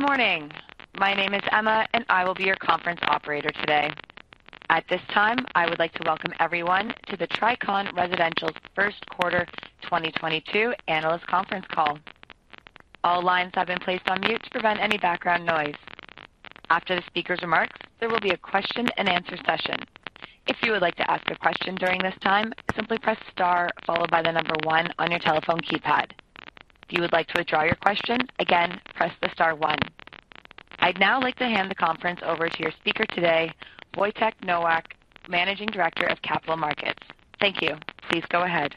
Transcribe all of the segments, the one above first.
Good morning. My name is Emma, and I will be your conference operator today. At this time, I would like to welcome everyone to the Tricon Residential's first quarter 2022 analyst conference call. All lines have been placed on mute to prevent any background noise. After the speaker's remarks, there will be a question-and-answer session. If you would like to ask a question during this time, simply press star followed by the number one on your telephone keypad. If you would like to withdraw your question, again, press the star one. I'd now like to hand the conference over to your speaker today, Wojtek Nowak, Managing Director of Capital Markets. Thank you. Please go ahead.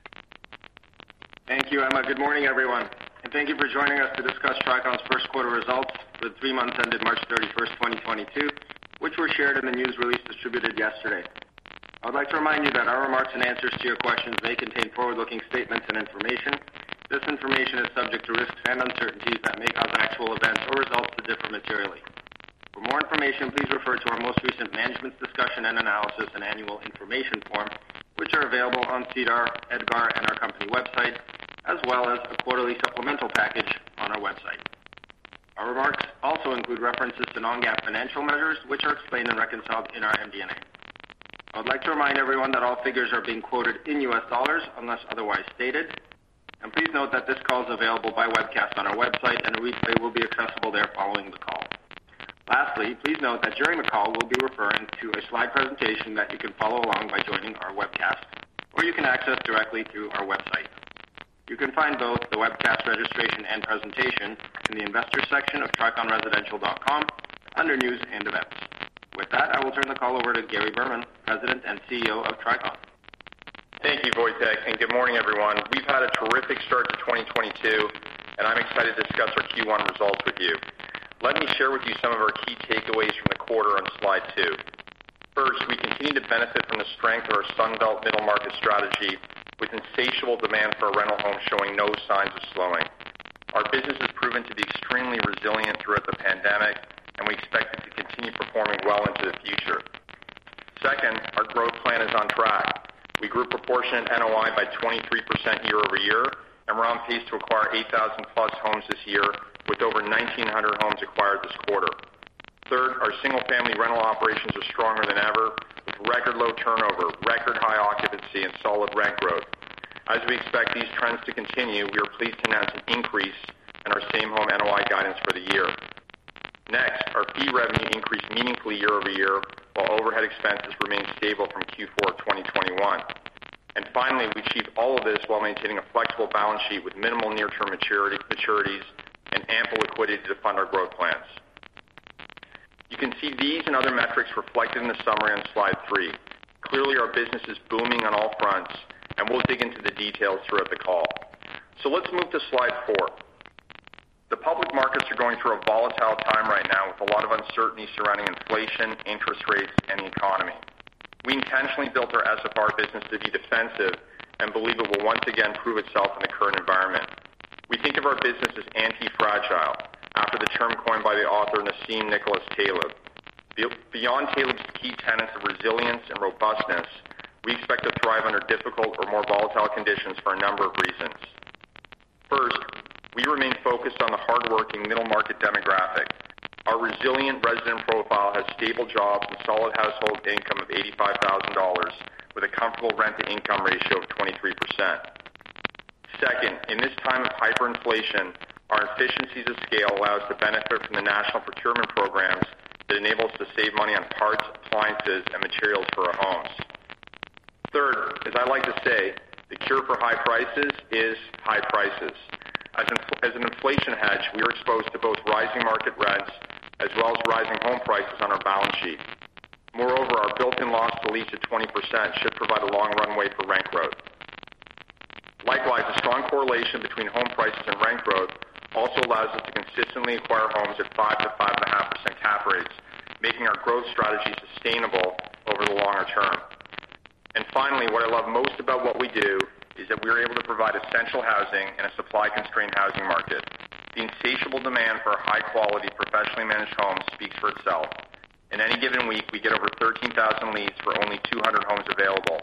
Thank you, Emma. Good morning, everyone. Thank you for joining us to discuss Tricon's first quarter results for the three months ended March 31st, 2022, which were shared in the news release distributed yesterday. I would like to remind you that our remarks and answers to your questions may contain forward-looking statements and information. This information is subject to risks and uncertainties that may cause actual events or results to differ materially. For more information, please refer to our most recent management discussion and analysis and annual information form, which are available on SEDAR, EDGAR, and our company website, as well as the quarterly supplemental package on our website. Our remarks also include references to non-GAAP financial measures, which are explained and reconciled in our MD&A. I would like to remind everyone that all figures are being quoted in U.S. dollars unless otherwise stated. Please note that this call is available by webcast on our website, and a replay will be accessible there following the call. Lastly, please note that during the call, we'll be referring to a slide presentation that you can follow along by joining our webcast, or you can access directly through our website. You can find both the webcast registration and presentation in the Investors section of triconresidential.com under News and Events. With that, I will turn the call over to Gary Berman, President and CEO of Tricon Residential. Thank you, Wojciech, and good morning, everyone. We've had a terrific start to 2022, and I'm excited to discuss our Q1 results with you. Let me share with you some of our key takeaways from the quarter on slide two. First, we continue to benefit from the strength of our Sun Belt middle market strategy with insatiable demand for rental homes showing no signs of slowing. Our business has proven to be extremely resilient throughout the pandemic, and we expect it to continue performing well into the future. Second, our growth plan is on track. We grew proportionate NOI by 23% year-over-year, and we're on pace to acquire 8,000+ homes this year with over 1,900 homes acquired this quarter. Third, our single-family rental operations are stronger than ever with record low turnover, record high occupancy, and solid rent growth. As we expect these trends to continue, we are pleased to announce an increase in our same home NOI guidance for the year. Next, our fee revenue increased meaningfully year over year, while overhead expenses remained stable from Q4 of 2021. Finally, we achieved all of this while maintaining a flexible balance sheet with minimal near-term maturities, and ample liquidity to fund our growth plans. You can see these and other metrics reflected in the summary on slide three. Clearly, our business is booming on all fronts, and we'll dig into the details throughout the call. Let's move to slide four. The public markets are going through a volatile time right now with a lot of uncertainty surrounding inflation, interest rates, and the economy. We intentionally built our SFR business to be defensive and believe it will once again prove itself in the current environment. We think of our business as antifragile after the term coined by the author, Nassim Nicholas Taleb. Beyond Taleb's key tenets of resilience and robustness, we expect to thrive under difficult or more volatile conditions for a number of reasons. First, we remain focused on the hardworking middle market demographic. Our resilient resident profile has stable jobs and solid household income of $85,000 with a comfortable rent-to-income ratio of 23%. Second, in this time of hyperinflation, our economies of scale allow us to benefit from the national procurement programs that enable us to save money on parts, appliances, and materials for our homes. Third, as I like to say, the cure for high prices is high prices. As an inflation hedge, we are exposed to both rising market rents as well as rising home prices on our balance sheet. Moreover, our built-in loss-to-lease at 20% should provide a long runway for rent growth. Likewise, a strong correlation between home prices and rent growth also allows us to consistently acquire homes at 5%-5.5% cap rates, making our growth strategy sustainable over the longer term. Finally, what I love most about what we do is that we are able to provide essential housing in a supply-constrained housing market. The insatiable demand for our high-quality, professionally managed homes speaks for itself. In any given week, we get over 13,000 leads for only 200 homes available.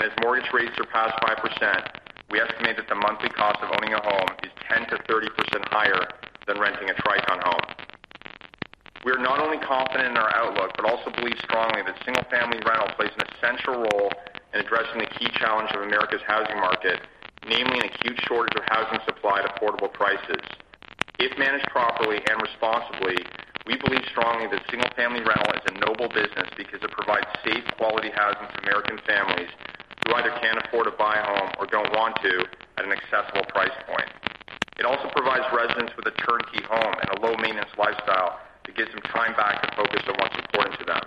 As mortgage rates surpass 5%, we estimate that the monthly cost of owning a home is 10%-30% higher than renting a Tricon home. We are not only confident in our outlook, but also believe strongly that single-family rental plays an essential role in addressing the key challenge of America's housing market, namely an acute shortage of housing supply at affordable prices. If managed properly and responsibly, we believe strongly that single-family rental is a noble business because it provides safe, quality housing to American families who either can't afford to buy a home or don't want to at an accessible price point. It also provides residents with a turnkey home and a low-maintenance lifestyle that gives them time back to focus on what's important to them.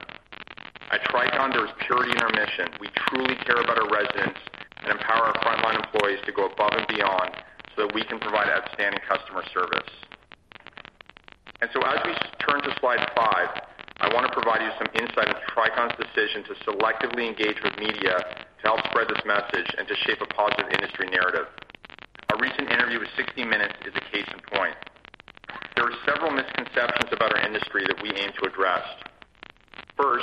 At Tricon, there is purity in our mission. We truly care about our residents and empower our frontline employees to go above and beyond so that we can provide outstanding customer service. As we turn to slide five, I want to provide you some insight into Tricon's decision to selectively engage with media to help spread this message and to shape a positive industry narrative. Our recent interview with 60 Minutes is a case in point. There are several misconceptions about our industry that we aim to address. We're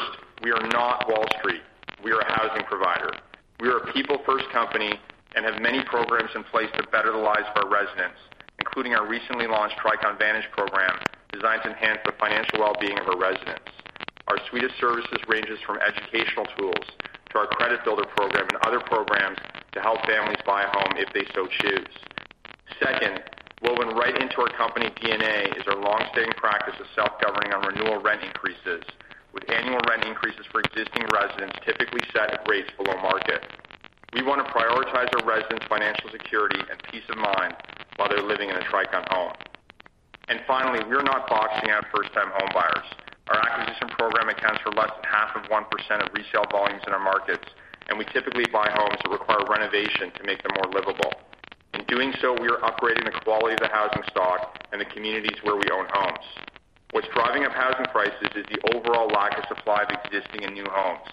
a people first company and have many programs in place to better the lives of our residents, including our recently launched Tricon Vantage program, designed to enhance the financial well-being of our residents. Our suite of services ranges from educational tools to our Credit Builder Program and other programs to help families buy a home if they so choose. Second, woven right into our company DNA is our long-standing practice of self-governing on renewal rent increases, with annual rent increases for existing residents typically set at rates below market. We want to prioritize our residents' financial security and peace of mind while they're living in a Tricon home. Finally, we're not boxing out first-time home buyers. Our acquisition program accounts for less than 0.5% of resale volumes in our markets, and we typically buy homes that require renovation to make them more livable. In doing so, we are upgrading the quality of the housing stock and the communities where we own homes. What's driving up housing prices is the overall lack of supply of existing and new homes.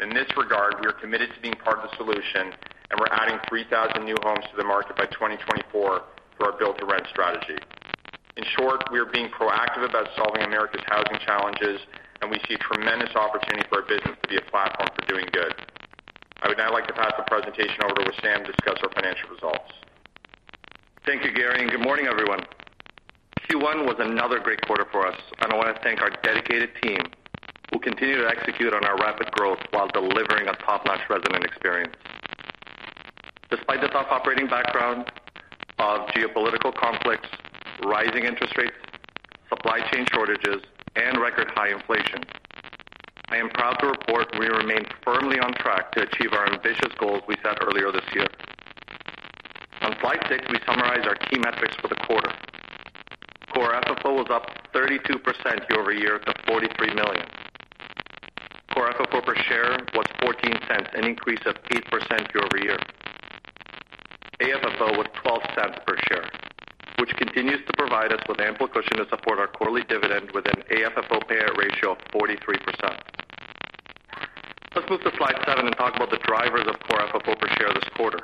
In this regard, we are committed to being part of the solution, and we're adding 3,000 new homes to the market by 2024 through our Build-to-Rent strategy. In short, we are being proactive about solving America's housing challenges, and we see tremendous opportunity for our business to be a platform for doing good. I would now like to pass the presentation over to Sam to discuss our financial results. Thank you, Gary, and good morning, everyone. Q1 was another great quarter for us, and I want to thank our dedicated team who continue to execute on our rapid growth while delivering a top-notch resident experience. Despite the tough operating background of geopolitical conflicts, rising interest rates, supply chain shortages, and record high inflation, I am proud to report we remain firmly on track to achieve our ambitious goals we set earlier this year. On slide six, we summarize our key metrics for the quarter. Core FFO was up 32% year-over-year to $43 million. Core FFO per share was $0.14, an increase of 8% year-over-year. AFFO was $0.12 per share, which continues to provide us with ample cushion to support our quarterly dividend with an AFFO payout ratio of 43%. Let's move to slide seven and talk about the drivers of Core FFO per share this quarter.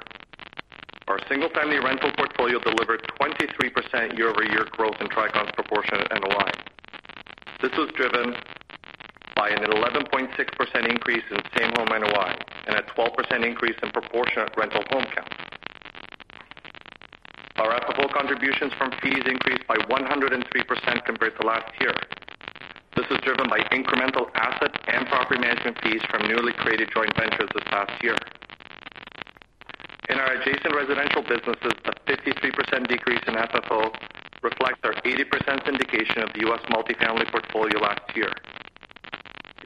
Our single-family rental portfolio delivered 23% year-over-year growth in Tricon's proportionate NOI. This was driven by an 11.6% increase in same home NOI and a 12% increase in proportionate rental home count. Our FFO contributions from fees increased by 103% compared to last year. This was driven by incremental asset and property management fees from newly created joint ventures this past year. In our adjacent residential businesses, a 53% decrease in FFO reflects our 80% syndication of the U.S. multifamily portfolio last year.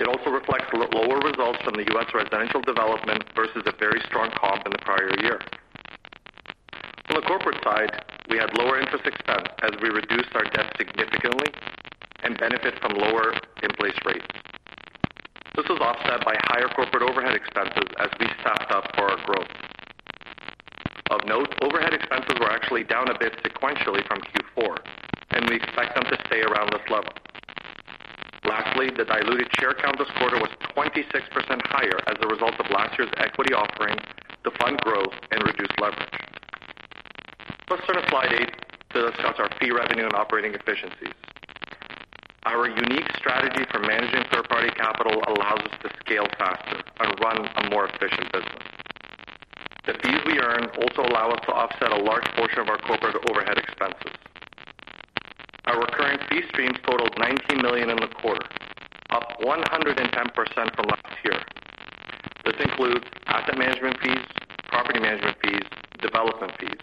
It also reflects lower results from the U.S. residential development versus a very strong comp in the prior year. On the corporate side, we had lower interest expense as we reduced our debt significantly and benefit from lower in-place rates. This was offset by higher corporate overhead expenses as we staffed up for our growth. Of note, overhead expenses were actually down a bit sequentially from Q4, and we expect them to stay around this level. Lastly, the diluted share count this quarter was 26% higher as a result of last year's equity offering to fund growth and reduce leverage. Let's turn to slide eight to discuss our fee revenue and operating efficiencies. Our unique strategy for managing third-party capital allows us to scale faster and run a more efficient business. The fees we earn also allow us to offset a large portion of our corporate overhead expenses. Our recurring fee streams totaled $19 million in the quarter, up 110% from last year. This includes asset management fees, property management fees, development fees,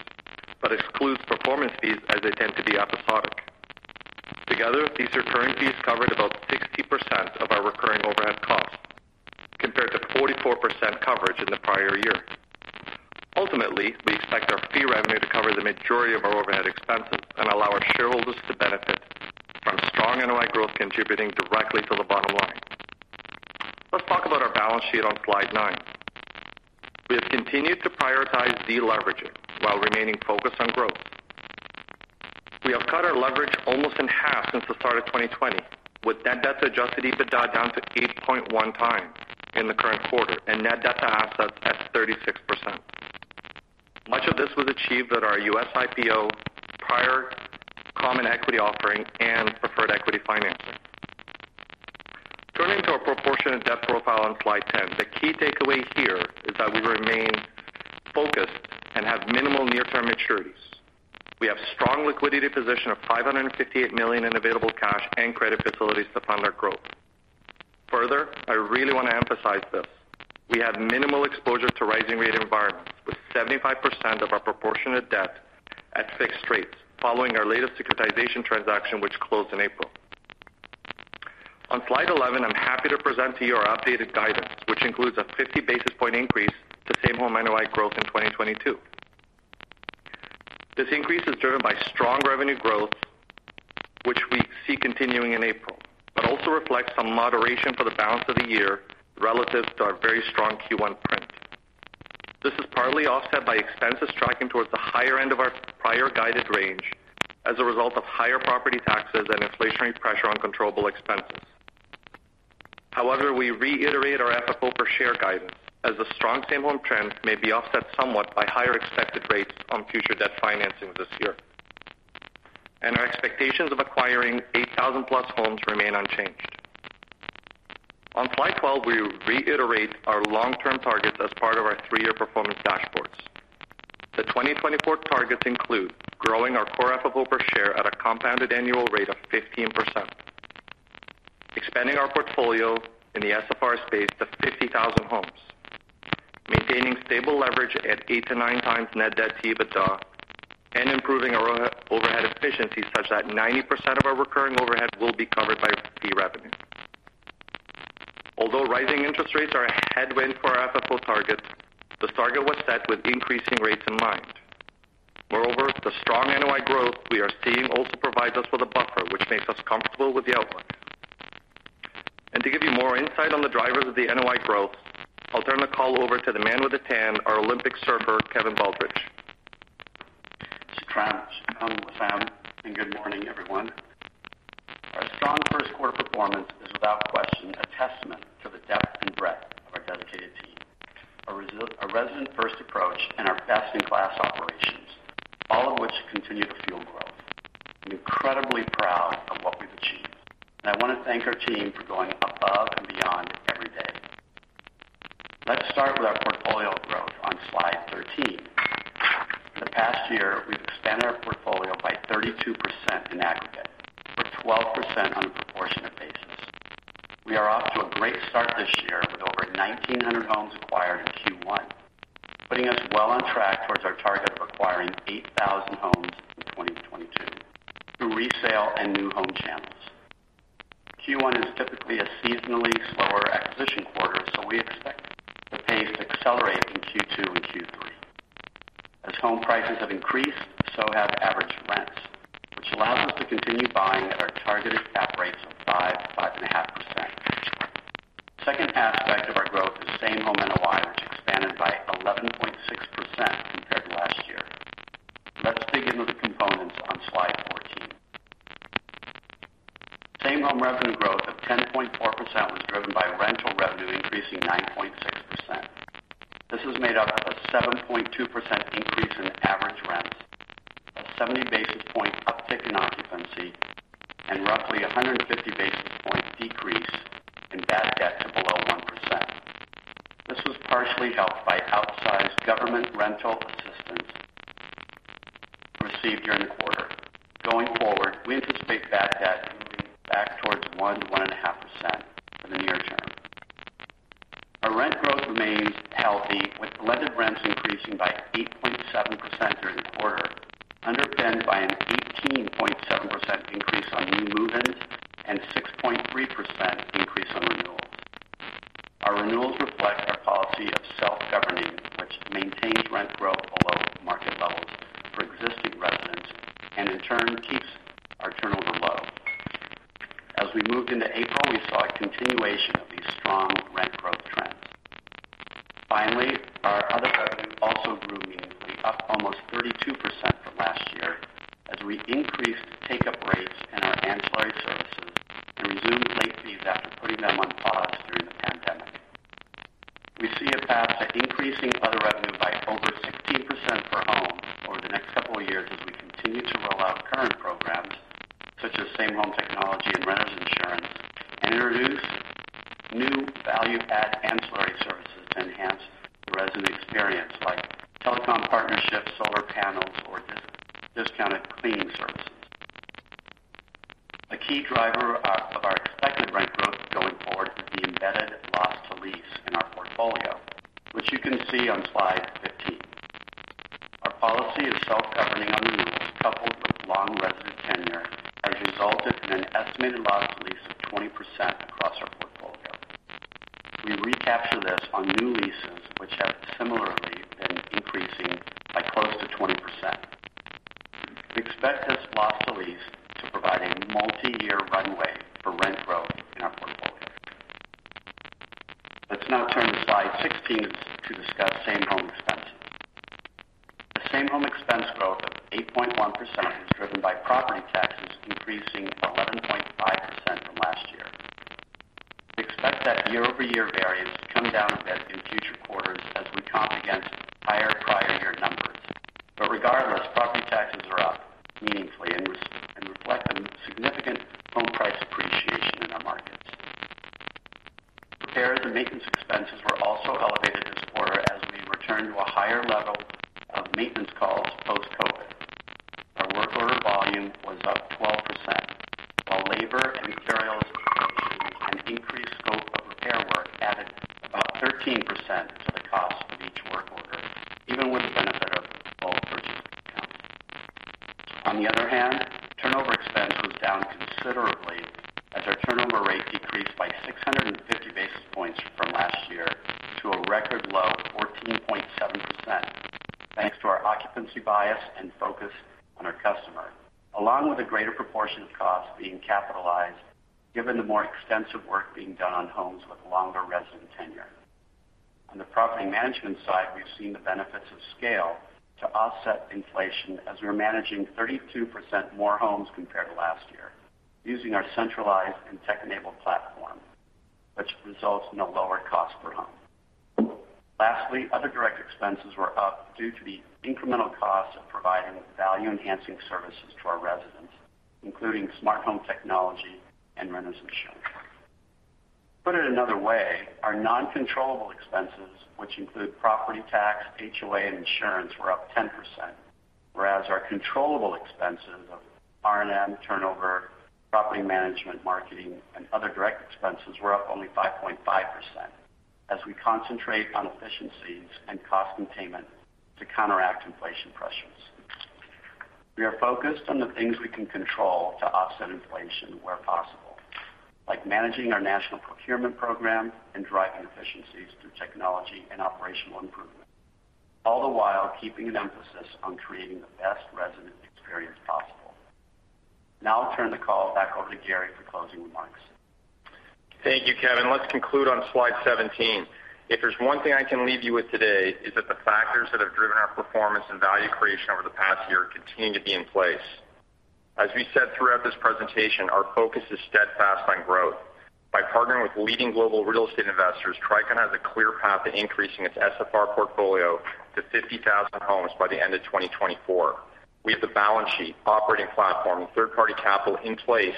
but excludes performance fees as they tend to be episodic. Together, these recurring fees covered about 60% of our recurring overhead costs compared to 44% coverage in the prior year. Ultimately, we expect our fee revenue to cover the majority of our overhead expenses and allow our shareholders to benefit from strong NOI growth contributing directly to the bottom line. Let's talk about our balance sheet on slide nine. We have continued to prioritize deleveraging while remaining focused on growth. We have cut our leverage almost in half since the start of 2020, with net debt to adjusted EBITDA down to 8.1x in the current quarter and net debt to assets at 36%. Much of this was achieved at our U.S. IPO prior common equity offering and preferred equity financing. Turning to our proportionate debt profile on slide 10, the key takeaway here is that we remain focused and have minimal near-term maturities. We have strong liquidity position of $558 million in available cash and credit facilities to fund our growth. Further, I really want to emphasize this. We have minimal exposure to rising rate environments, with 75% of our proportionate debt at fixed rates following our latest securitization transaction, which closed in April. On slide 11, I'm happy to present to you our updated guidance, which includes a 50 basis point increase to same home NOI growth in 2022. This increase is driven by strong revenue growth, which we see continuing in April, but also reflects some moderation for the balance of the year relative to our very strong Q1 print. This is partly offset by expenses tracking towards the higher end of our prior guided range as a result of higher property taxes and inflationary pressure on controllable expenses. However, we reiterate our FFO per share guidance as the strong same home trends may be offset somewhat by higher expected rates on future debt financing this year. Our expectations of acquiring 8,000+ homes remain unchanged. On slide 12, we reiterate our long-term targets as part of our three-year performance dashboards. The 2024 targets include growing our core FFO per share at a compounded annual rate of 15%, expanding our portfolio in the SFR space to 50,000 homes, maintaining stable leverage at 8-9 times net debt to EBITDA, and improving our overhead efficiency such that 90% of our recurring overhead will be covered by fee revenue. Although rising interest rates are a headwind for our FFO targets, this target was set with increasing rates in mind. Moreover, the strong NOI growth we are seeing also provides us with a buffer which makes us comfortable with the outlook. To give you more insight on the drivers of the NOI growth, I'll turn the call over to the man with the tan, our Olympic surfer, Kevin Baldridge. Good morning, everyone. Our strong first quarter performance is without question, a testament to the depth and breadth of our dedicated team. A resident-first approach and our best-in-class operations, all of which continue to fuel growth. I'm incredibly proud of what we've achieved, and I want to thank our team for going above and beyond every day. Let's start with our portfolio growth on slide 13. The past year, we've expanded our portfolio by 32% in aggregate, or 12% on a proportionate basis. We are off to a great start this year with over 1,900 homes acquired in Q1, putting us well on track towards our target of acquiring 8,000 homes in 2022 through resale and new home channels. Q1 is typically a seasonally slower acquisition quarter, so we expect the pace to accelerate in Q2 and Q3. As home prices have increased, so have average rents, which allows us to continue buying at our targeted cap rates of 5%-5.5%. Second aspect of our growth is same home NOI, which expanded by 11.6% compared to last year. Let's dig into the components on slide 14. Same home revenue growth of 10.4% was driven by rental revenue increasing 9.6%. This is made up of a 7.2% increase in average rents, a 70 basis point uptick in occupancy, and roughly 150 basis point decrease in bad debt to below 1%. This was partially helped by outsized government rental assistance received during the quarter. Going forward, we anticipate bad debt moving back towards 1%-1.5% in the near term. Our rent growth remains healthy, with blended rents increasing by 8.7% during the quarter, underpinned by an 18.7% increase on new move-ins and 6.3% increase on renewal. Our renewals reflect our policy of self-governing, which maintains rent growth below market levels for existing residents and in turn keeps our turnover low. As we moved into April, we saw a continuation of these strong rent growth trends. Finally, our other revenue also grew meaningfully, up almost 32% from last year as we increased take-up rates in our ancillary services and resumed late fees after putting them on pause during the pandemic. We see a path to increasing other revenue by over 16% per home over the next couple of years as we continue to roll out current programs such as smart home technology and renter's insurance, and introduce new value-add ancillary services to enhance the resident experience like telecom partnerships, solar panels or discounted cleaning services. A key driver of our expected rent growth going forward is the embedded loss-to-lease in our portfolio, which you can see on slide 15. Our policy of self-governing on renewals, coupled with long resident tenure, has resulted in an estimated loss-to-lease of 20% across our portfolio. We recapture this on new leases, which have similarly been increasing by close to 20%. We expect this loss-to-lease to provide a multiyear runway for rent growth in our portfolio. Let's now turn to slide 16 to discuss same home expenses. The same home expense growth of 8.1% was driven by property taxes increasing 11.5% from last year. We expect that year-over-year variance to come down a bit in future quarters as we comp against higher prior year numbers. Regardless, property taxes are up meaningfully and reflect the significant home price appreciation in our markets. Repairs and maintenance expenses were also elevated this quarter as we return to a higher level of maintenance calls post-COVID. Our work order volume was up 12%, while labor and materials inflation and increased scope of repair work added about 13% to the cost of each work order, even with the benefit of lower material costs. On the other hand, turnover expense was down considerably as our turnover rate decreased by 650 basis points from last year to a record low of 14.7%, thanks to our occupancy bias and focus on our customer, along with a greater proportion of costs being capitalized given the more extensive work being done on homes with longer resident tenure. On the property management side, we've seen the benefits of scale to offset inflation as we're managing 32% more homes compared to last year using our centralized and tech-enabled platform, which results in a lower cost per home. Lastly, other direct expenses were up due to the incremental cost of providing value-enhancing services to our residents, including smart home technology and renters insurance. Put it another way, our non-controllable expenses, which include property tax, HOA, and insurance, were up 10%, whereas our controllable expenses of R&M turnover, property management, marketing, and other direct expenses were up only 5.5% as we concentrate on efficiencies and cost containment to counteract inflation pressures. We are focused on the things we can control to offset inflation where possible, like managing our national procurement program and driving efficiencies through technology and operational improvement, all the while keeping an emphasis on creating the best resident experience possible. Now I'll turn the call back over to Gary for closing remarks. Thank you, Kevin. Let's conclude on slide 17. If there's one thing I can leave you with today is that the factors that have driven our performance and value creation over the past year continue to be in place. As we said throughout this presentation, our focus is steadfast on growth. By partnering with leading global real estate investors, Tricon has a clear path to increasing its SFR portfolio to 50,000 homes by the end of 2024. We have the balance sheet, operating platform and third-party capital in place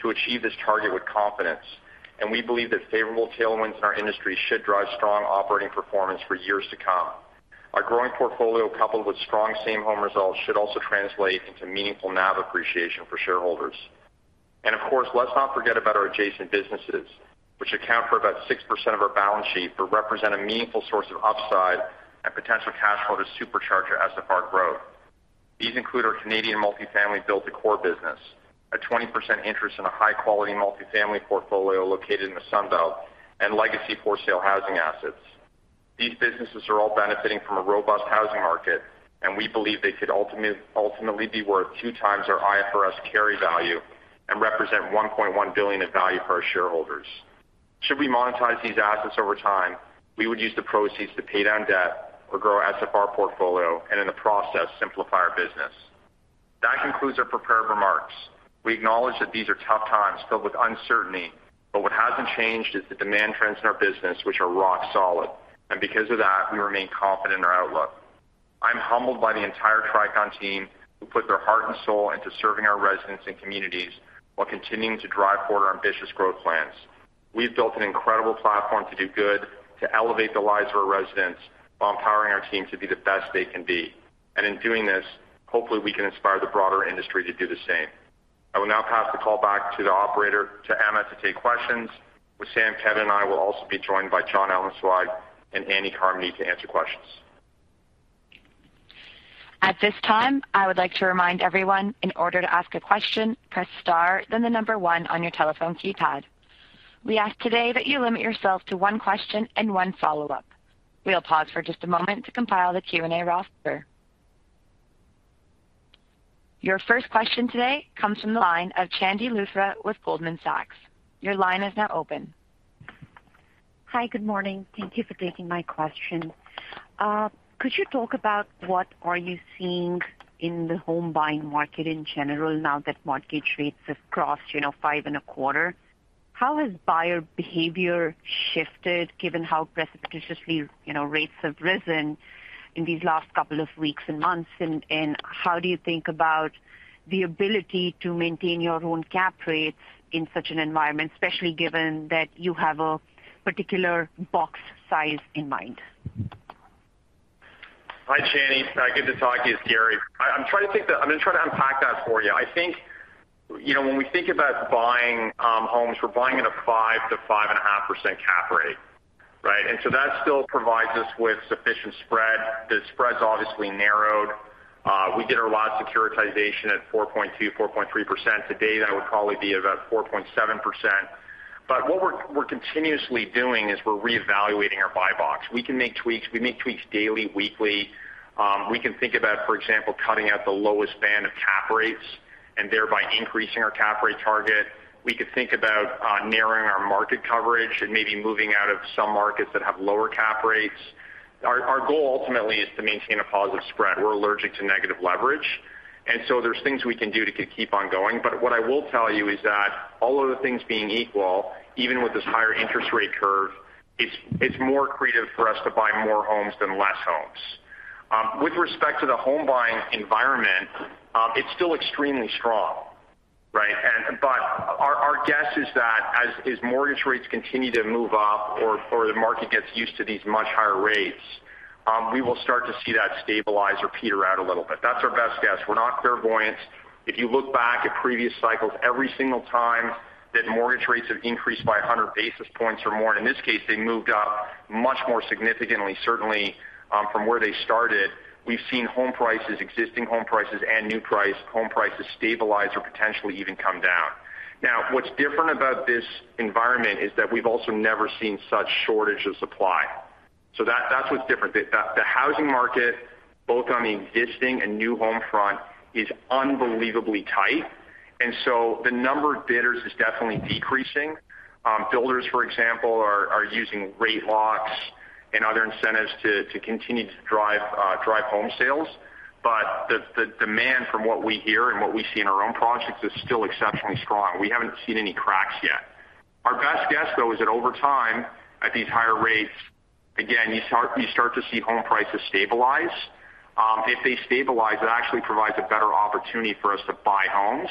to achieve this target with confidence, and we believe that favorable tailwinds in our industry should drive strong operating performance for years to come. Our growing portfolio, coupled with strong same home results, should also translate into meaningful NAV appreciation for shareholders. Of course, let's not forget about our adjacent businesses, which account for about 6% of our balance sheet, but represent a meaningful source of upside and potential cash flow to supercharge our SFR growth. These include our Canadian multifamily build-to-core business, a 20% interest in a high-quality multifamily portfolio located in the Sun Belt and legacy for sale housing assets. These businesses are all benefiting from a robust housing market, and we believe they could ultimately be worth 2x our IFRS carry value and represent $1.1 billion in value for our shareholders. Should we monetize these assets over time, we would use the proceeds to pay down debt or grow our SFR portfolio and in the process, simplify our business. That concludes our prepared remarks. We acknowledge that these are tough times filled with uncertainty, but what hasn't changed is the demand trends in our business, which are rock solid. Because of that, we remain confident in our outlook. I'm humbled by the entire Tricon team who put their heart and soul into serving our residents and communities while continuing to drive forward our ambitious growth plans. We've built an incredible platform to do good, to elevate the lives of our residents while empowering our team to be the best they can be. In doing this, hopefully, we can inspire the broader industry to do the same. I will now pass the call back to the operator, to Emma to take questions. With Sam, Kevin, and I will also be joined by Jon Ellenzweig and Andy Carmody to answer questions. At this time, I would like to remind everyone, in order to ask a question, press star then the number one on your telephone keypad. We ask today that you limit yourself to one question and one follow-up. We'll pause for just a moment to compile the Q&A roster. Your first question today comes from the line of Chandni Luthra with Goldman Sachs. Your line is now open. Hi. Good morning. Thank you for taking my question. Could you talk about what are you seeing in the home buying market in general now that mortgage rates have crossed, you know, 5.25%? How has buyer behavior shifted given how precipitously, you know, rates have risen in these last couple of weeks and months? How do you think about the ability to maintain your own cap rates in such an environment, especially given that you have a particular box size in mind? Hi, Chandni. Good to talk to you. It's Gary. I'm going to try to unpack that for you. I think, you know, when we think about buying homes, we're buying in a 5%-5.5% cap rate, right? That still provides us with sufficient spread. The spread's obviously narrowed. We did a lot of securitization at 4.2%-4.3%. Today, that would probably be about 4.7%. What we're continuously doing is we're reevaluating our buy box. We can make tweaks. We make tweaks daily, weekly. We can think about, for example, cutting out the lowest band of cap rates and thereby increasing our cap rate target. We could think about narrowing our market coverage and maybe moving out of some markets that have lower cap rates. Our goal ultimately is to maintain a positive spread. We're allergic to negative leverage, and so there's things we can do to keep on going. What I will tell you is that all other things being equal, even with this higher interest rate curve, it's more accretive for us to buy more homes than less homes. With respect to the home buying environment, it's still extremely strong, right? Our guess is that as mortgage rates continue to move up or the market gets used to these much higher rates, we will start to see that stabilize or peter out a little bit. That's our best guess. We're not clairvoyant. If you look back at previous cycles, every single time that mortgage rates have increased by 100 basis points or more, and in this case, they moved up much more significantly, certainly from where they started. We've seen home prices, existing home prices, and new home prices stabilize or potentially even come down. Now, what's different about this environment is that we've also never seen such shortage of supply. That's what's different. The housing market, both on the existing and new home front, is unbelievably tight, and so the number of bidders is definitely decreasing. Builders, for example, are using rate locks and other incentives to continue to drive home sales. The demand from what we hear and what we see in our own projects is still exceptionally strong. We haven't seen any cracks yet. Our best guess, though, is that over time, at these higher rates, again, you start to see home prices stabilize. If they stabilize, it actually provides a better opportunity for us to buy homes,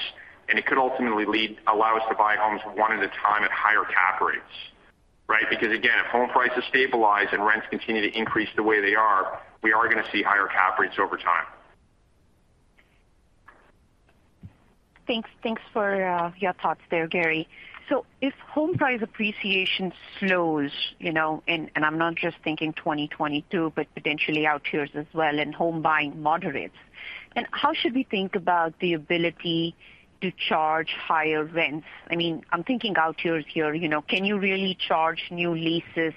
and it could ultimately allow us to buy homes one at a time at higher cap rates, right? Because again, if home prices stabilize and rents continue to increase the way they are, we are gonna see higher cap rates over time. Thanks. Thanks for your thoughts there, Gary. If home price appreciation slows, you know, and I'm not just thinking 2022, but potentially out years as well and home buying moderates, then how should we think about the ability to charge higher rents? I mean, I'm thinking out years here, you know. Can you really charge new leases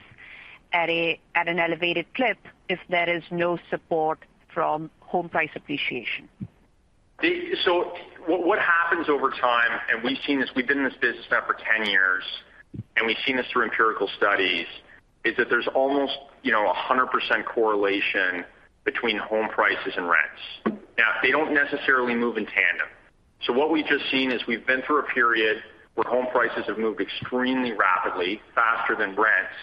at an elevated clip if there is no support from home price appreciation? What happens over time, and we've seen this, we've been in this business now for 10 years, and we've seen this through empirical studies, is that there's almost, you know, a 100% correlation between home prices and rents. Now, they don't necessarily move in tandem. What we've just seen is we've been through a period where home prices have moved extremely rapidly, faster than rents,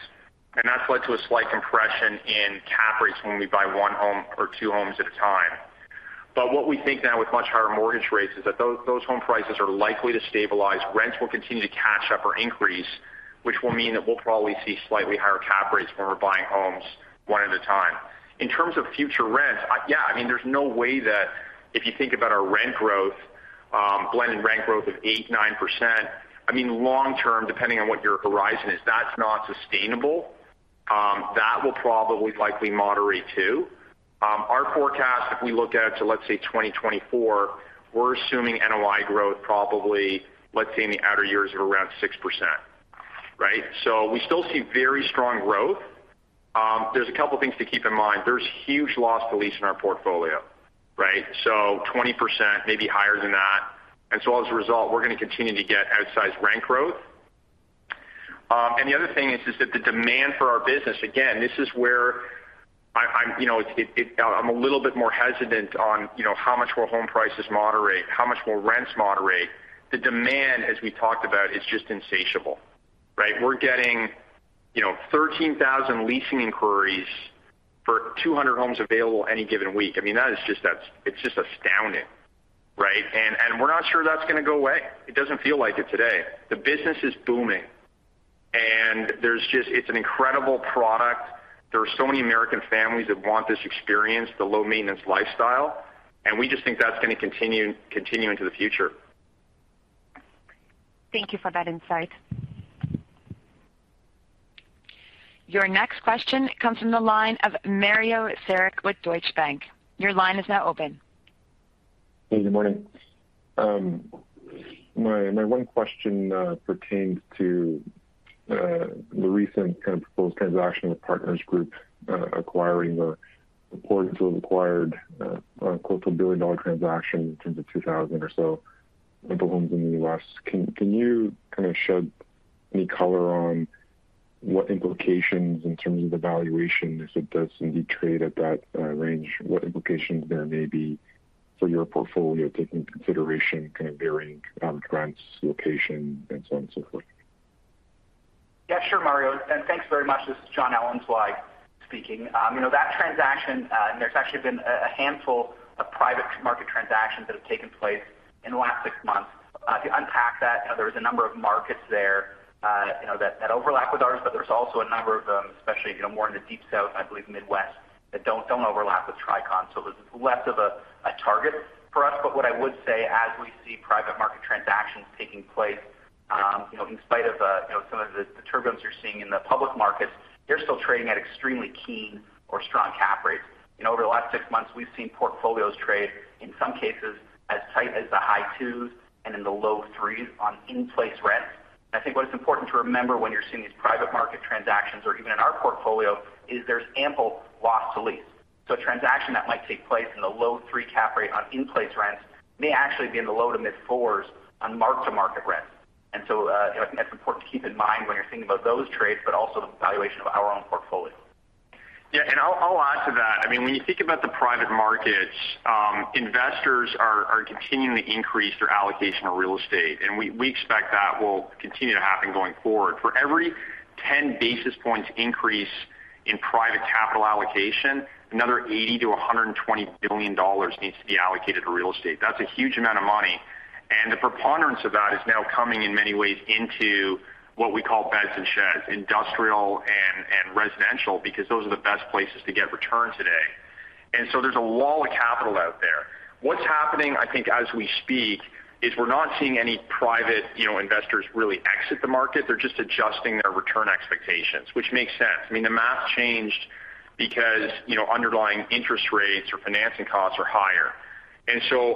and that's led to a slight compression in cap rates when we buy one home or two homes at a time. What we think now with much higher mortgage rates is that those home prices are likely to stabilize. Rents will continue to catch up or increase, which will mean that we'll probably see slightly higher cap rates when we're buying homes one at a time. In terms of future rents, yeah, I mean, there's no way that if you think about our rent growth, blended rent growth of 8%-9%, I mean, long term, depending on what your horizon is, that's not sustainable. That will probably likely moderate too. Our forecast, if we look out to, let's say, 2024, we're assuming NOI growth probably, let's say, in the outer years of around 6%, right? We still see very strong growth. There's a couple things to keep in mind. There's huge loss-to-lease in our portfolio, right? Twenty percent, maybe higher than that. As a result, we're gonna continue to get outsized rent growth. The other thing is that the demand for our business, again, this is where I, you know, I'm a little bit more hesitant on, you know, how much will home prices moderate, how much will rents moderate. The demand, as we talked about, is just insatiable, right? We're getting, you know, 13,000 leasing inquiries for 200 homes available any given week. I mean, that is just astounding, right? We're not sure that's gonna go away. It doesn't feel like it today. The business is booming. There's just an incredible product. There are so many American families that want this experience, the low-maintenance lifestyle, and we just think that's gonna continue into the future. Thank you for that insight. Your next question comes from the line of Mario Saric with Deutsche Bank. Your line is now open. Good morning. My one question pertains to the recent kind of proposed transaction with Partners Group, reports of acquiring close to a $1 billion transaction in terms of 2,000 or so rental homes in the U.S. Can you kind of shed any color on what implications in terms of the valuation, if it does indeed trade at that range, what implications there may be for your portfolio, taking into consideration kind of varying rents, location, and so on and so forth? Yeah, sure, Mario. Thanks very much. This is Jon Ellenzweig speaking. You know, that transaction, and there's actually been a handful of private market transactions that have taken place in the last six months. To unpack that, you know, there's a number of markets there, you know, that overlap with ours, but there's also a number of them, especially, you know, more in the Deep South, I believe Midwest, that don't overlap with Tricon. It's less of a target for us. What I would say as we see private market transactions taking place, you know, in spite of, you know, some of the turbulence you're seeing in the public markets, they're still trading at extremely keen or strong cap rates. You know, over the last six months, we've seen portfolios trade, in some cases, as tight as the high twos and in the low threes on in-place rents. I think what is important to remember when you're seeing these private market transactions or even in our portfolio is there's ample loss-to-lease. A transaction that might take place in the low three cap rate on in-place rents may actually be in the low to mid fours on mark-to-market rents. I think that's important to keep in mind when you're thinking about those trades, but also the valuation of our own portfolio. Yeah, I'll add to that. I mean, when you think about the private markets, investors are continuing to increase their allocation of real estate, and we expect that will continue to happen going forward. For every 10 basis points increase in private capital allocation, another $80 billion-$120 billion needs to be allocated to real estate. That's a huge amount of money. The preponderance of that is now coming in many ways into what we call beds and sheds, industrial and residential, because those are the best places to get return today. There's a lot of capital out there. What's happening, I think as we speak, is we're not seeing any private, you know, investors really exit the market. They're just adjusting their return expectations, which makes sense. I mean, the math changed because, you know, underlying interest rates or financing costs are higher.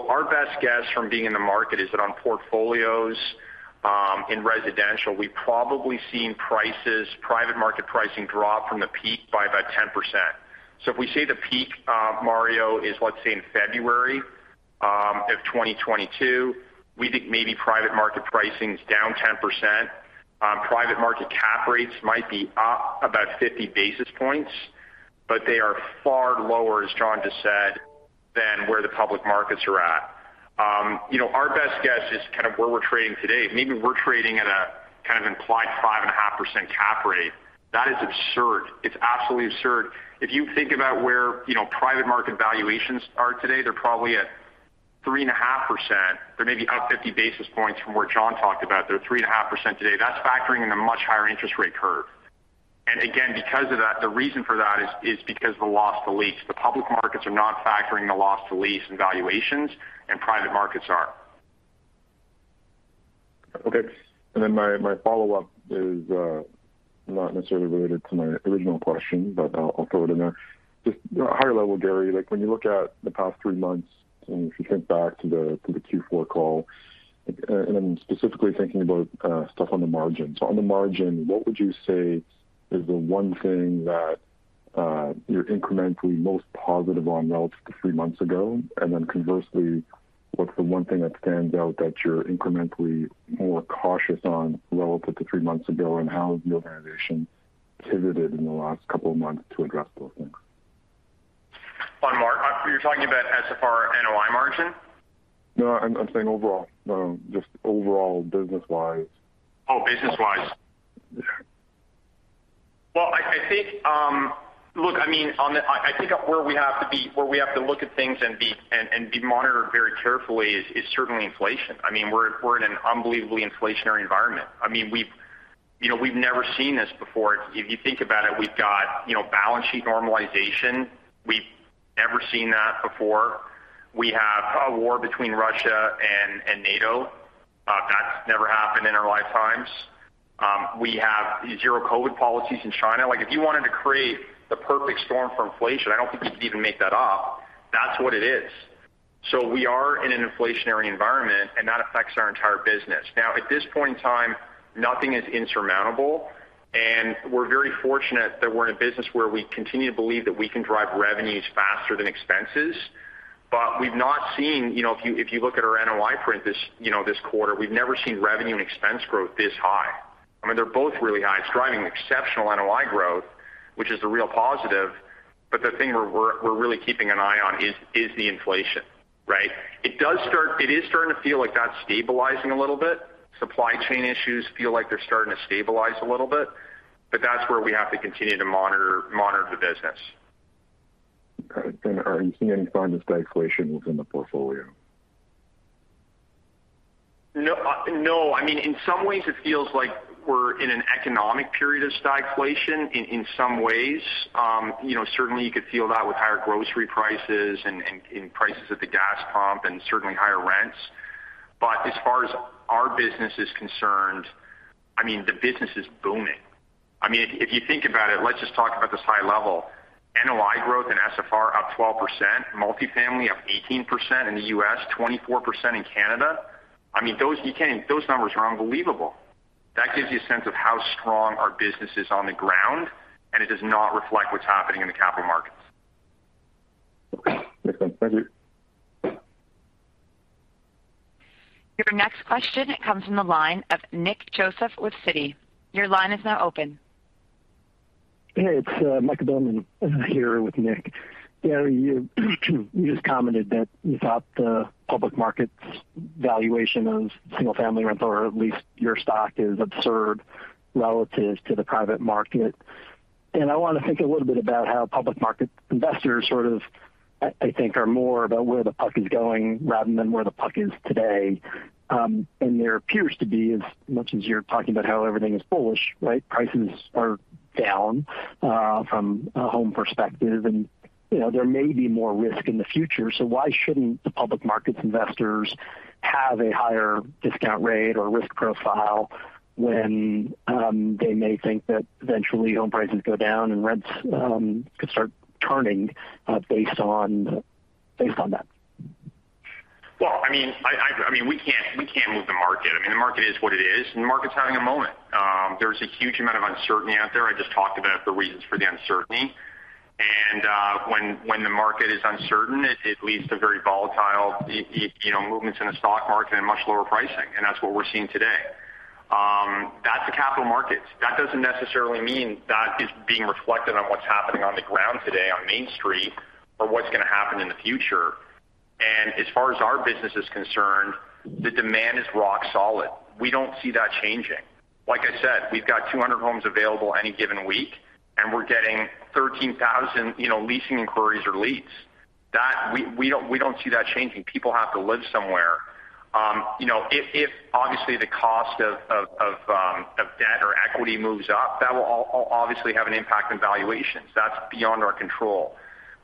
Our best guess from being in the market is that on portfolios, in residential, we've probably seen prices, private market pricing drop from the peak by about 10%. If we say the peak, Mario, is, let's say in February of 2022. We think maybe private market pricing is down 10%. Private market cap rates might be up about 50 basis points, but they are far lower, as John just said, than where the public markets are at. You know, our best guess is kind of where we're trading today. Maybe we're trading at a kind of implied 5.5% cap rate. That is absurd. It's absolutely absurd. If you think about where, you know, private market valuations are today, they're probably at 3.5%. They may be up 50 basis points from where John talked about. They're 3.5% today. That's factoring in a much higher interest rate curve. Again, because of that, the reason for that is because the loss-to-lease. The public markets are not factoring the loss-to-lease and valuations, and private markets are. Okay. My follow-up is, not necessarily related to my original question, but I'll throw it in there. Just, you know, high level, Gary, like, when you look at the past three months, and if you think back to the Q4 call, and I'm specifically thinking about, stuff on the margin. On the margin, what would you say is the one thing that you're incrementally most positive on relative to three months ago? And then conversely, what's the one thing that stands out that you're incrementally more cautious on relative to three months ago, and how has your organization pivoted in the last couple of months to address those things? Are you talking about SFR NOI margin? No, I'm saying overall. Just overall business-wise. Oh, business-wise. Yeah. Well, I think. Look, I mean, I think of where we have to look at things and be monitored very carefully is certainly inflation. I mean, we're in an unbelievably inflationary environment. I mean, we've, you know, we've never seen this before. If you think about it, we've got, you know, balance sheet normalization. We've never seen that before. We have a war between Russia and NATO. That's never happened in our lifetimes. We have zero COVID policies in China. Like, if you wanted to create the perfect storm for inflation, I don't think you could even make that up. That's what it is. We are in an inflationary environment, and that affects our entire business. Now, at this point in time, nothing is insurmountable, and we're very fortunate that we're in a business where we continue to believe that we can drive revenues faster than expenses. We've not seen. You know, if you, if you look at our NOI print this, you know, this quarter, we've never seen revenue and expense growth this high. I mean, they're both really high. It's driving exceptional NOI growth, which is the real positive. The thing we're really keeping an eye on is the inflation, right? It is starting to feel like that's stabilizing a little bit. Supply chain issues feel like they're starting to stabilize a little bit, but that's where we have to continue to monitor the business. Got it. Are you seeing any signs of stagflation within the portfolio? No. No. I mean, in some ways it feels like we're in an economic period of stagflation in some ways. You know, certainly you could feel that with higher grocery prices and in prices at the gas pump and certainly higher rents. As far as our business is concerned, I mean, the business is booming. I mean, if you think about it, let's just talk about this high level. NOI growth in SFR up 12%, multifamily up 18% in the US, 24% in Canada. I mean, those numbers are unbelievable. That gives you a sense of how strong our business is on the ground, and it does not reflect what's happening in the capital markets. Okay. Makes sense. Thank you. Your next question comes from the line of Nick Joseph with Citi. Your line is now open. Hey, it's Mike Bilerman here with Nick. Gary, you just commented that you thought the public markets valuation of single-family rental, or at least your stock, is absurd relative to the private market. I wanna think a little bit about how public market investors sort of I think are more about where the puck is going rather than where the puck is today. There appears to be, as much as you're talking about how everything is bullish, right, prices are down from a home perspective. You know, there may be more risk in the future. Why shouldn't the public markets investors have a higher discount rate or risk profile when they may think that eventually home prices go down and rents could start turning based on that? I mean, we can't move the market. I mean, the market is what it is, and the market's having a moment. There's a huge amount of uncertainty out there. I just talked about the reasons for the uncertainty. When the market is uncertain, it leads to very volatile, you know, movements in the stock market and much lower pricing, and that's what we're seeing today. That's the capital markets. That doesn't necessarily mean that is being reflected on what's happening on the ground today on Main Street or what's gonna happen in the future. As far as our business is concerned, the demand is rock solid. We don't see that changing. Like I said, we've got 200 homes available any given week, and we're getting 13,000, you know, leasing inquiries or leads. That We don't see that changing. People have to live somewhere. You know, if obviously the cost of debt or equity moves up, that will obviously have an impact on valuations. That's beyond our control.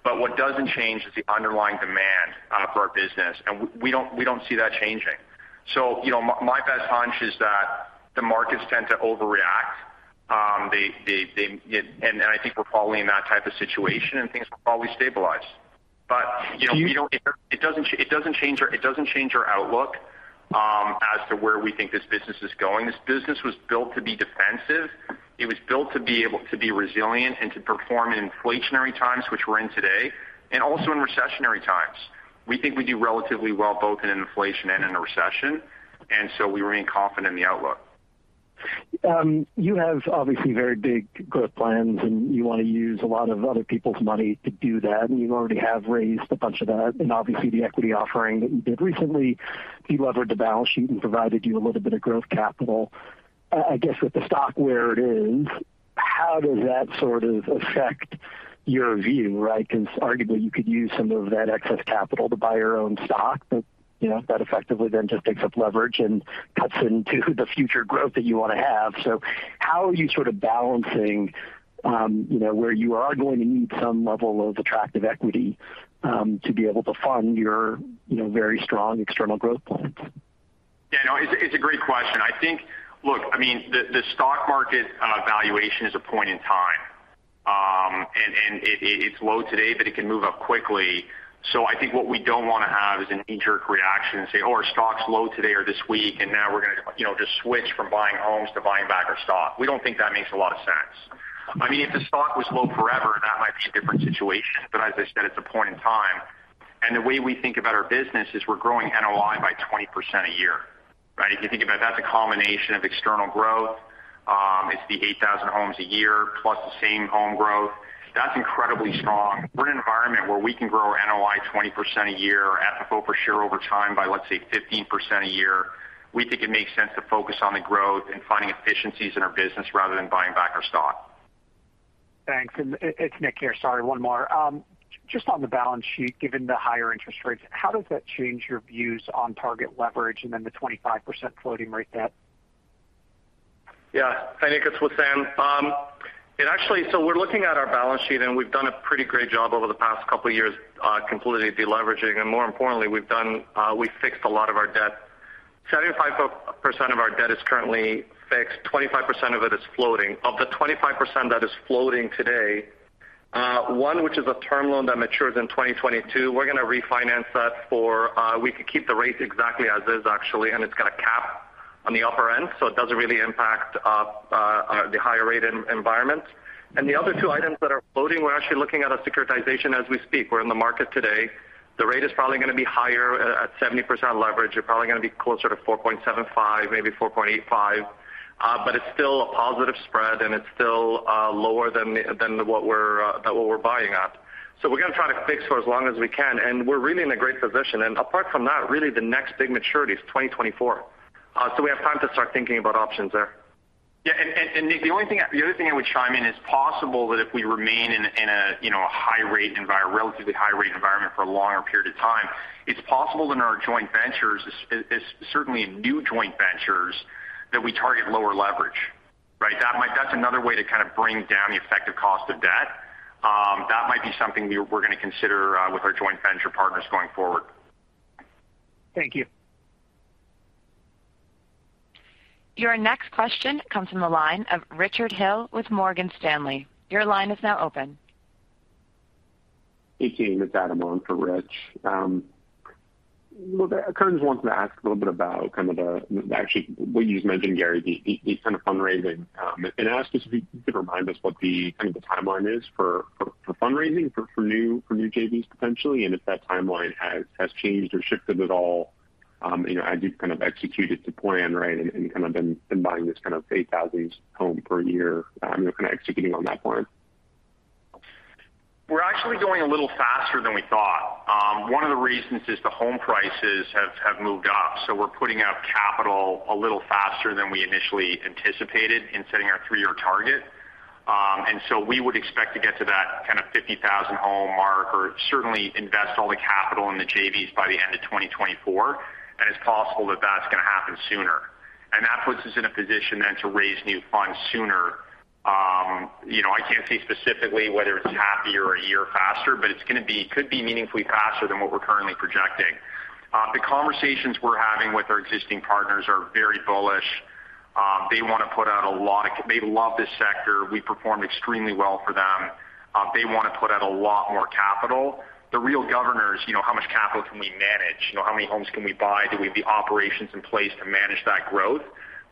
What doesn't change is the underlying demand for our business, and we don't see that changing. You know, my best hunch is that the markets tend to overreact. I think we're following that type of situation and things will probably stabilize. You know. Do you- It doesn't change our outlook, as to where we think this business is going. This business was built to be defensive. It was built to be able to be resilient and to perform in inflationary times, which we're in today, and also in recessionary times. We think we do relatively well both in an inflation and in a recession, and so we remain confident in the outlook. You have obviously very big growth plans, and you want to use a lot of other people's money to do that, and you already have raised a bunch of that. Obviously, the equity offering that you did recently delevered the balance sheet and provided you a little bit of growth capital. I guess with the stock where it is, how does that sort of affect your view, right? Because arguably, you could use some of that excess capital to buy your own stock, but, you know, that effectively then just takes up leverage and cuts into the future growth that you want to have. How are you sort of balancing, you know, where you are going to need some level of attractive equity, to be able to fund your, you know, very strong external growth plans? Yeah, no, it's a great question. I think. Look, I mean, the stock market valuation is a point in time. And it it's low today, but it can move up quickly. I think what we don't wanna have is a knee-jerk reaction and say, "Oh, our stock's low today or this week, and now we're gonna, you know, just switch from buying homes to buying back our stock." We don't think that makes a lot of sense. I mean, if the stock was low forever, that might be a different situation. As I said, it's a point in time. The way we think about our business is we're growing NOI by 20% a year, right? If you think about it, that's a combination of external growth. It's the 8,000 homes a year plus the same home growth. That's incredibly strong. We're in an environment where we can grow our NOI 20% a year, FFO per share over time by, let's say, 15% a year. We think it makes sense to focus on the growth and finding efficiencies in our business rather than buying back our stock. Thanks. It's Nick here. Sorry, one more. Just on the balance sheet, given the higher interest rates, how does that change your views on target leverage and then the 25% floating rate debt? Yeah. Hi, Nick. It's Sam. So we're looking at our balance sheet, and we've done a pretty great job over the past couple of years, completely deleveraging. More importantly, we've fixed a lot of our debt. 75% of our debt is currently fixed. 25% of it is floating. Of the 25% that is floating today, one, which is a term loan that matures in 2022, we're gonna refinance that. We could keep the rates exactly as is actually, and it's got a cap on the upper end, so it doesn't really impact the higher rate environment. The other two items that are floating, we're actually looking at a securitization as we speak. We're in the market today. The rate is probably gonna be higher. At 70% leverage, you're probably gonna be closer to 4.75, maybe 4.85. But it's still a positive spread, and it's still lower than what we're buying at. We're gonna try to fix for as long as we can, and we're really in a great position. Apart from that, really the next big maturity is 2024. We have time to start thinking about options there. Yeah. Nick, the only thing, the other thing I would chime in, it's possible that if we remain in a you know a high rate environment, relatively high rate environment for a longer period of time, it's possible that in our joint ventures, certainly in new joint ventures, that we target lower leverage, right? That's another way to kind of bring down the effective cost of debt. That might be something we're gonna consider with our joint venture partners going forward. Thank you. Your next question comes from the line of Richard Hill with Morgan Stanley. Your line is now open. Hey, team. It's Adam on for Rich. Look, I kind of just wanted to ask a little bit about kind of actually what you just mentioned, Gary, the kind of fundraising, and ask if you could remind us what the kind of timeline is for fundraising for new JVs potentially, and if that timeline has changed or shifted at all, you know, as you've kind of executed to plan, right, and kind of been buying this kind of 8,000 homes per year, you know, kind of executing on that plan. We're actually going a little faster than we thought. One of the reasons is the home prices have moved up, so we're putting out capital a little faster than we initially anticipated in setting our three-year target. We would expect to get to that kind of 50,000 home mark or certainly invest all the capital in the JVs by the end of 2024, and it's possible that that's gonna happen sooner. That puts us in a position then to raise new funds sooner. You know, I can't say specifically whether it's half a year or a year faster, but could be meaningfully faster than what we're currently projecting. The conversations we're having with our existing partners are very bullish. They love this sector. We perform extremely well for them. They wanna put out a lot more capital. The real governor is, you know, how much capital can we manage? You know, how many homes can we buy? Do we have the operations in place to manage that growth?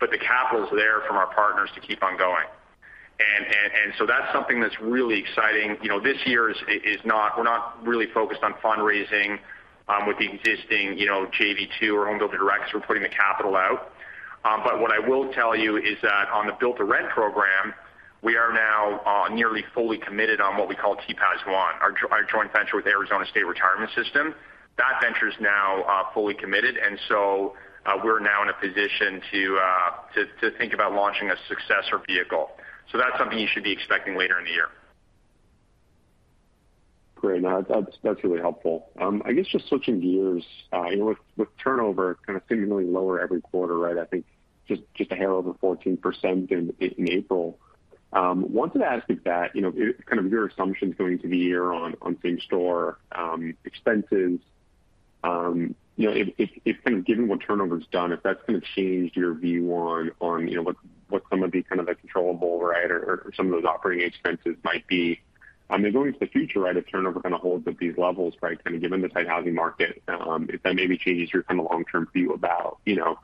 The capital's there from our partners to keep on going. That's something that's really exciting. You know, this year we're not really focused on fundraising with the existing, you know, JV two or Homebuilder Direct. We're putting the capital out. What I will tell you is that on the Build-to-Rent program, we are now nearly fully committed on what we call THPAS JV-1 our joint venture with Arizona State Retirement System. That venture is now fully committed, and so we're now in a position to think about launching a successor vehicle. That's something you should be expecting later in the year. Great. No, that's really helpful. I guess just switching gears, you know, with turnover kind of seemingly lower every quarter, right? I think just a hair over 14% in April. Wanted to ask if that, you know, kind of your assumptions going into the year on same home expenses, you know, if kind of given what turnover's done, if that's gonna change your view on, you know, what some of the kind of the controllable, right, or some of those operating expenses might be. I mean, going to the future, right, if turnover kind of holds at these levels, right, kind of given the tight housing market, if that maybe changes your kind of long-term view about, you know,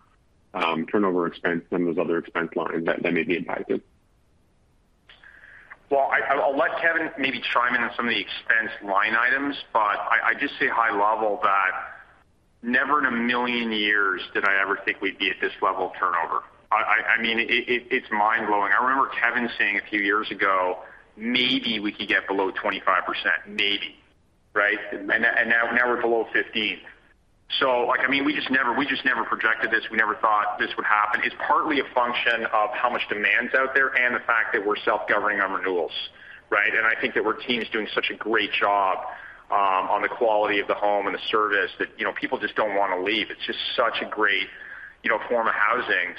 turnover expense, some of those other expense lines that may be impacted. Well, I'll let Kevin maybe chime in on some of the expense line items, but I just say high level that never in a million years did I ever think we'd be at this level of turnover. I mean, it's mind-blowing. I remember Kevin saying a few years ago, maybe we could get below 25%, maybe, right? Now we're below 15%. Like, I mean, we just never projected this. We never thought this would happen. It's partly a function of how much demand's out there and the fact that we're self-governing on renewals, right? I think that our team is doing such a great job on the quality of the home and the service that, you know, people just don't wanna leave. It's just such a great, you know, form of housing.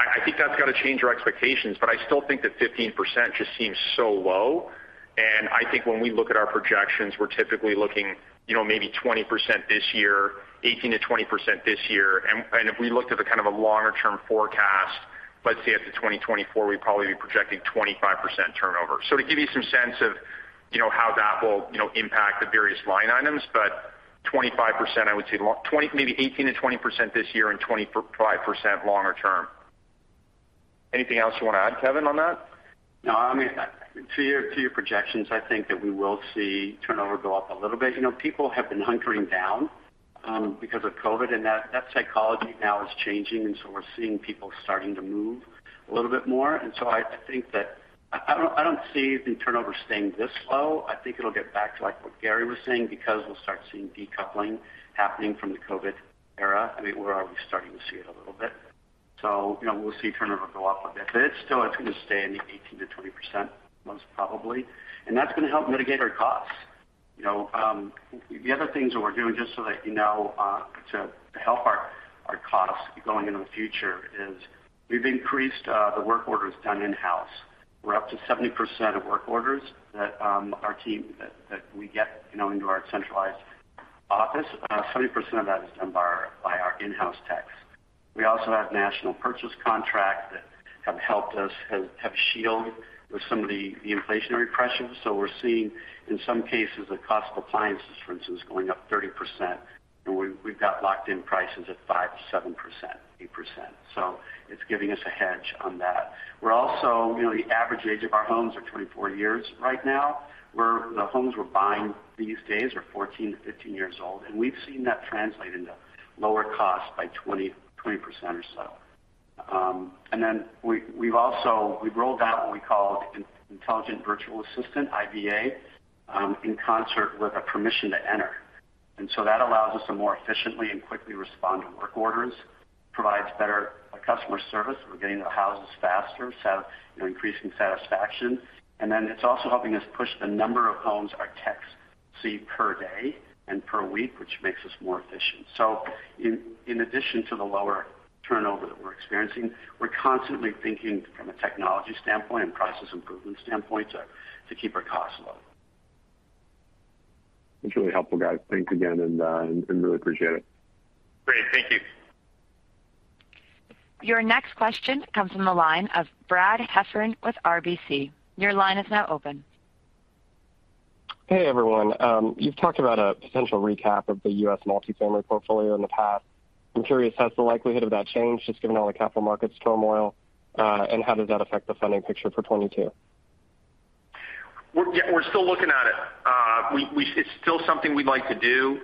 I think that's gotta change our expectations, but I still think that 15% just seems so low. I think when we look at our projections, we're typically looking, you know, maybe 20% this year, 18%-20% this year. If we looked at the kind of a longer term forecast, let's say out to 2024, we'd probably be projecting 25% turnover. To give you some sense of, you know, how that will, you know, impact the various line items. 25%, I would say maybe 18%-20% this year and 25% longer term. Anything else you wanna add, Kevin, on that? No. I mean, to your projections, I think that we will see turnover go up a little bit. You know, people have been hunkering down, because of COVID, and that psychology now is changing, and so we're seeing people starting to move a little bit more. I think that I don't see the turnover staying this low. I think it'll get back to, like, what Gary was saying because we'll start seeing decoupling happening from the COVID era. I mean, we're already starting to see it a little bit. You know, we'll see turnover go up a bit. It's still gonna stay in the 18%-20%, most probably. That's gonna help mitigate our costs. You know, the other things that we're doing, just so that you know, to help our costs going into the future is we've increased the work orders done in-house. We're up to 70% of work orders that our team that we get, you know, into our centralized office. 70% of that is done by our in-house techs. We also have national purchase contracts that have helped us have shielded with some of the inflationary pressures. We're seeing in some cases the cost of appliances, for instance, going up 30%, and we've got locked in prices at 5%-7%, 8%. It's giving us a hedge on that. We're also. You know, the average age of our homes are 24 years right now, where the homes we're buying these days are 14-15 years old, and we've seen that translate into lower costs by 20% or so. We've also rolled out what we call an intelligent virtual assistant, IVA, in concert with a permission to enter. That allows us to more efficiently and quickly respond to work orders, provides better customer service. We're getting into houses faster, so, you know, increasing satisfaction. It's also helping us push the number of homes our techs see per day and per week, which makes us more efficient. In addition to the lower turnover that we're experiencing, we're constantly thinking from a technology standpoint and process improvement standpoint to keep our costs low. It's really helpful, guys. Thanks again, and really appreciate it. Great. Thank you. Your next question comes from the line of Brad Heffern with RBC. Your line is now open. Hey, everyone. You've talked about a potential recap of the U.S. multifamily portfolio in the past. I'm curious, has the likelihood of that changed just given all the capital markets turmoil, and how does that affect the funding picture for 2022? Yeah, we're still looking at it. It's still something we'd like to do.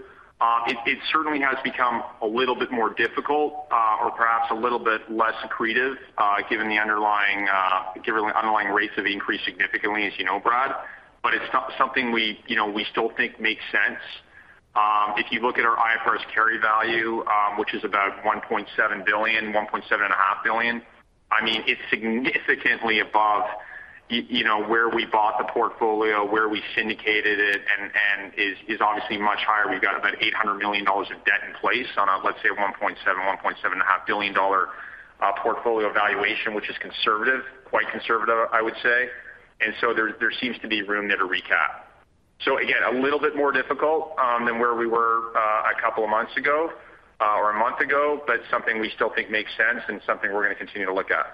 It certainly has become a little bit more difficult, or perhaps a little bit less accretive, given the underlying rates have increased significantly, as you know, Brad. It's something we, you know, we still think makes sense. If you look at our IFRS carrying value, which is about $1.7 billion-$1.75 billion, I mean, it's significantly above, you know, where we bought the portfolio, where we syndicated it, and is obviously much higher. We've got about $800 million of debt in place on a, let's say, $1.7 billion-$1.75 billion portfolio valuation, which is conservative, quite conservative, I would say. There seems to be room there to recap. Again, a little bit more difficult than where we were a couple of months ago or a month ago, but something we still think makes sense and something we're gonna continue to look at.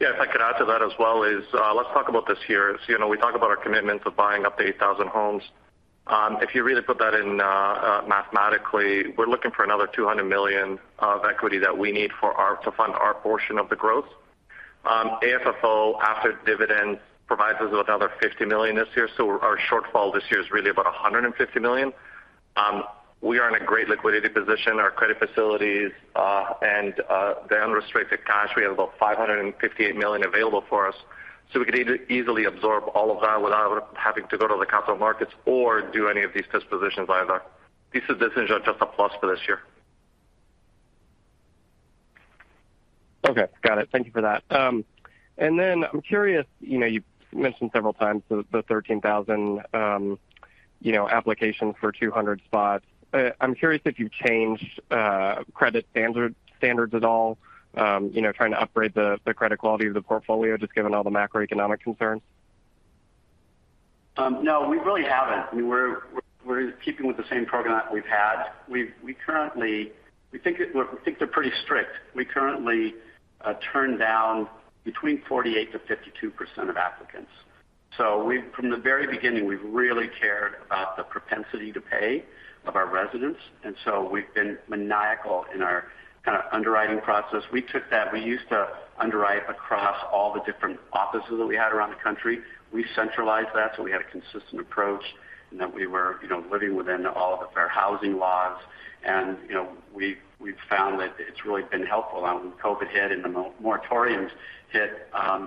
Yeah. If I could add to that as well is, let's talk about this year. You know, we talk about our commitment of buying up to 8,000 homes. If you really put that in, mathematically, we're looking for another $200 million of equity that we need to fund our portion of the growth. AFFO after dividends provides us with another $50 million this year, so our shortfall this year is really about $150 million. We are in a great liquidity position. Our credit facilities and the unrestricted cash, we have about $558 million available for us, so we could easily absorb all of that without having to go to the capital markets or do any of these dispositions either. This is just a plus for this year. Okay. Got it. Thank you for that. I'm curious, you know, you mentioned several times the 13,000 applications for 200 spots. I'm curious if you've changed credit standards at all, you know, trying to upgrade the credit quality of the portfolio, just given all the macroeconomic concerns. No, we really haven't. I mean, we're keeping with the same program that we've had. We think they're pretty strict. We currently turn down Between 48%-52% of applicants. We've from the very beginning really cared about the propensity to pay of our residents, and we've been maniacal in our kind of underwriting process. We took that. We used to underwrite across all the different offices that we had around the country. We centralized that, so we had a consistent approach and that we were, you know, living within all of our fair housing laws. You know, we've found that it's really been helpful. When COVID hit and the moratoriums hit,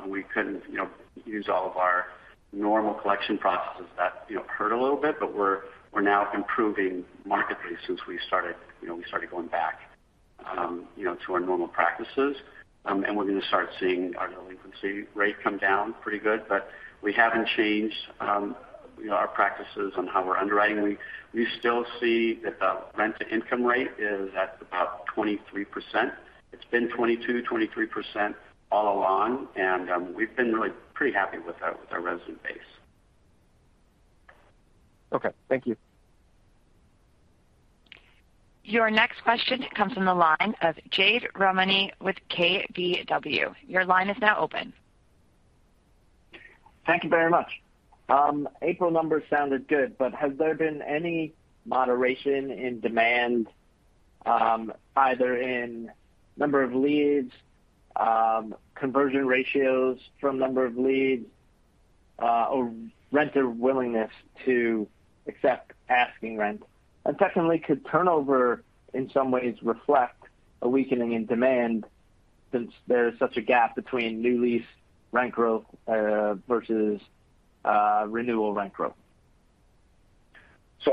we couldn't, you know, use all of our normal collection processes that, you know, hurt a little bit, but we're now improving markedly since we started, you know, we started going back to our normal practices. We're going to start seeing our delinquency rate come down pretty good. We haven't changed, you know, our practices on how we're underwriting. We still see that the rent-to-income rate is at about 23%. It's been 22%-23% all along, and we've been really pretty happy with our resident base. Okay. Thank you. Your next question comes from the line of Jade Rahmani with KBW. Your line is now open. Thank you very much. April numbers sounded good, but has there been any moderation in demand, either in number of leads, conversion ratios from number of leads, or renter willingness to accept asking rent? Secondly, could turnover in some ways reflect a weakening in demand since there's such a gap between new lease rent growth versus renewal rent growth? I'm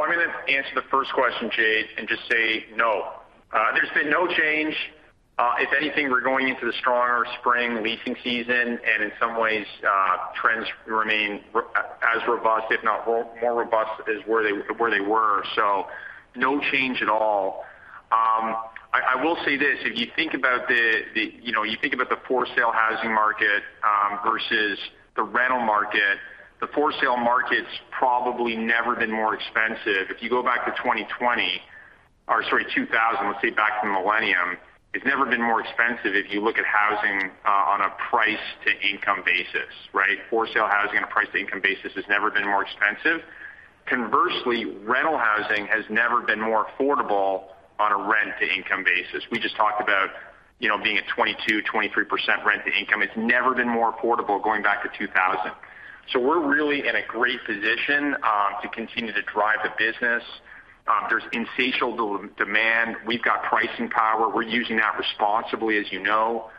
going to answer the first question, Jade, and just say no. There's been no change. If anything, we're going into the stronger spring leasing season, and in some ways, trends remain as robust, if not more robust, as where they were. No change at all. I will say this, if you think about the, you know, you think about the for-sale housing market versus the rental market, the for-sale market's probably never been more expensive. If you go back to 2020 or, sorry, 2000, let's say back to the millennium, it's never been more expensive if you look at housing on a price-to-income basis, right? For-sale housing on a price-to-income basis has never been more expensive. Conversely, rental housing has never been more affordable on a rent-to-income basis. We just talked about, you know, being at 22%-23% rent-to-income. It's never been more affordable going back to 2000. We're really in a great position to continue to drive the business. There's insatiable demand. We've got pricing power. We're using that responsibly, as you know.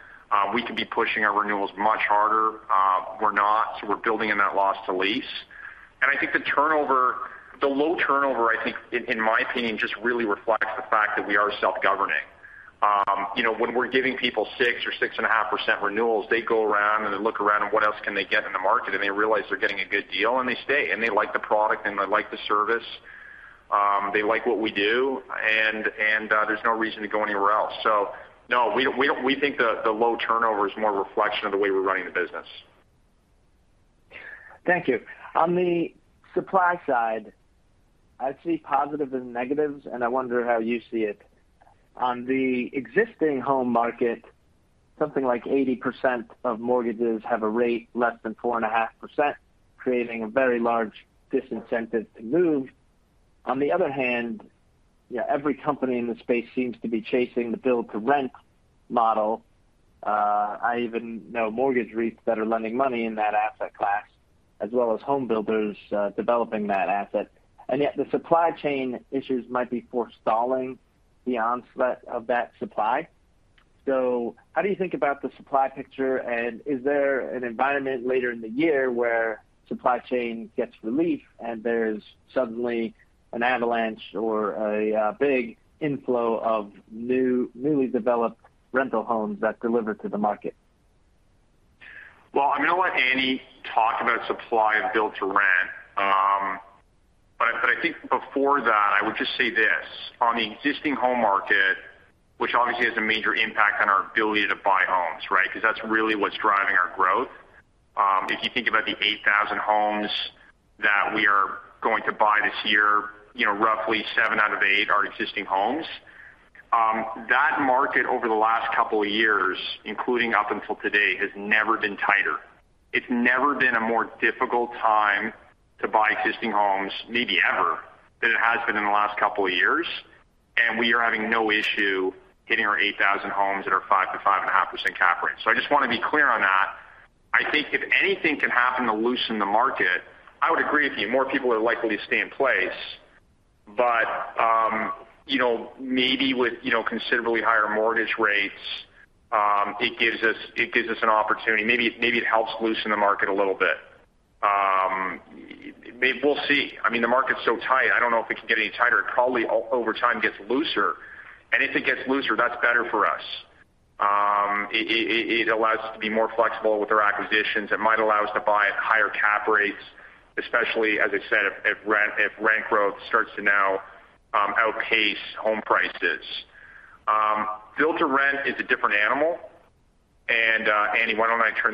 We could be pushing our renewals much harder. We're not, so we're building in that loss-to-lease. I think the low turnover, I think, in my opinion, just really reflects the fact that we are self-governing. You know, when we're giving people 6% or 6.5% renewals, they go around and they look around at what else can they get in the market, and they realize they're getting a good deal and they stay. They like the product and they like the service. They like what we do and there's no reason to go anywhere else. No, we don't. We think the low turnover is more a reflection of the way we're running the business. Thank you. On the supply side, I see positives and negatives, and I wonder how you see it. On the existing home market, something like 80% of mortgages have a rate less than 4.5%, creating a very large disincentive to move. On the other hand, you know, every company in the space seems to be chasing the Build-to-Rent model. I even know mortgage REITs that are lending money in that asset class, as well as home builders developing that asset. Yet the supply chain issues might be forestalling the onslaught of that supply. How do you think about the supply picture? Is there an environment later in the year where supply chain gets relief and there's suddenly an avalanche or a big inflow of new, newly developed rental homes that deliver to the market? Well, I'm going to let Andy talk about supply of Build-to-Rent. But I think before that, I would just say this. On the existing home market, which obviously has a major impact on our ability to buy homes, right? Because that's really what's driving our growth. If you think about the 8,000 homes that we are going to buy this year, you know, roughly seven out of eight are existing homes. That market over the last couple of years, including up until today, has never been tighter. It's never been a more difficult time to buy existing homes, maybe ever, than it has been in the last couple of years. We are having no issue hitting our 8,000 homes that are 5%-5.5% cap rates. I just want to be clear on that. I think if anything can happen to loosen the market, I would agree with you. More people are likely to stay in place. You know, maybe with considerably higher mortgage rates, it gives us an opportunity. Maybe it helps loosen the market a little bit. We'll see. I mean, the market's so tight, I don't know if it can get any tighter. It probably over time gets looser. If it gets looser, that's better for us. It allows us to be more flexible with our acquisitions. It might allow us to buy at higher cap rates, especially, as I said, if rent growth starts to now outpace home prices. Build-to-Rent is a different animal. Andy, why don't I turn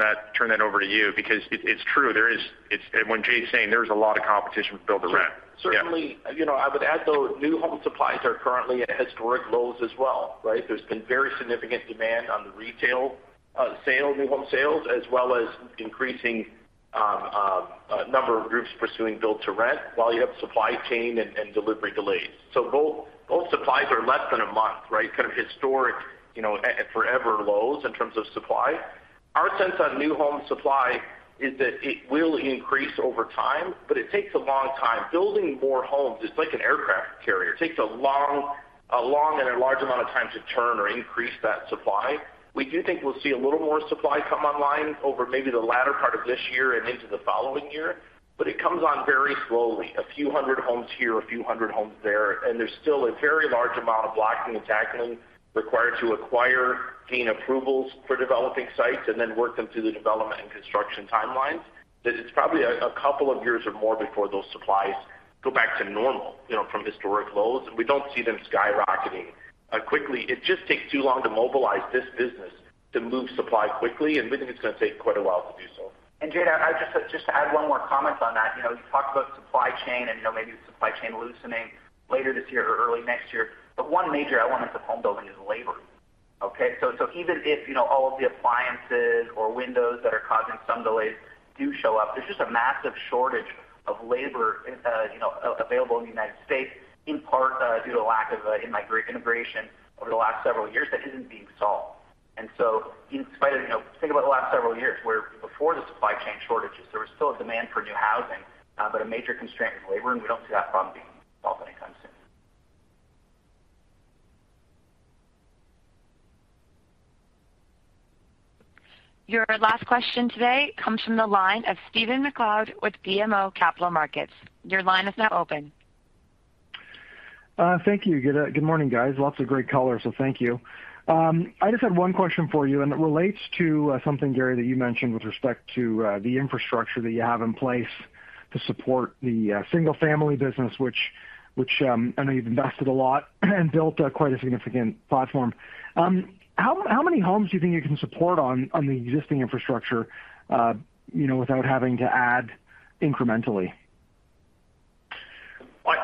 that over to you? It's true. There is, it's, and when Jade's saying there's a lot of competition with Build-to-Rent. Yeah. Certainly. You know, I would add, though, new home supplies are currently at historic lows as well, right? There's been very significant demand on the retail, new home sales, as well as increasing A number of groups pursuing Build-to-Rent while you have supply chain and delivery delays. Both supplies are less than a month, right? Kind of historic, you know, at forever lows in terms of supply. Our sense on new home supply is that it will increase over time, but it takes a long time. Building more homes is like an aircraft carrier. It takes a long and a large amount of time to turn or increase that supply. We do think we'll see a little more supply come online over maybe the latter part of this year and into the following year, but it comes on very slowly. A few hundred homes here, a few hundred homes there, and there's still a very large amount of blocking and tackling required to acquire gain approvals for developing sites and then work them through the development and construction timelines. It's probably a couple of years or more before those supplies go back to normal, you know, from historic lows. We don't see them skyrocketing quickly. It just takes too long to mobilize this business to move supply quickly, and we think it's gonna take quite a while to do so. Jay, I'd just to add one more comment on that. You know, you talked about supply chain and, you know, maybe supply chain loosening later this year or early next year. One major element of home building is labor, okay? Even if, you know, all of the appliances or windows that are causing some delays do show up, there's just a massive shortage of labor available in the United States, in part due to lack of immigration over the last several years that isn't being solved. In spite of, you know. Think about the last several years, where before the supply chain shortages, there was still a demand for new housing, but a major constraint was labor, and we don't see that problem being solved anytime soon. Your last question today comes from the line of Stephen MacLeod with BMO Capital Markets. Your line is now open. Thank you. Good morning, guys. Lots of great color, so thank you. I just had one question for you, and it relates to something, Gary, that you mentioned with respect to the infrastructure that you have in place to support the single-family business, which I know you've invested a lot and built quite a significant platform. How many homes do you think you can support on the existing infrastructure, you know, without having to add incrementally?